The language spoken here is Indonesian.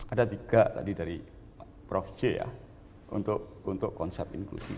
ada tiga tadi dari prof c ya untuk konsep inklusi